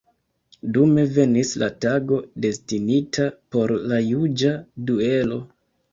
Dume venis la tago, destinita por la juĝa duelo.